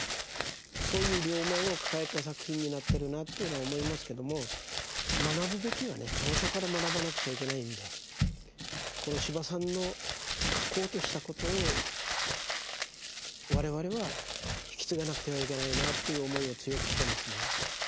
そういう両面を抱えた作品になってるなというのは思いますけども学ぶべきはね長所から学ばなくちゃいけないんでこの司馬さんの書こうとしたことを我々は引き継がなくてはいけないなという思いを強くしてますね。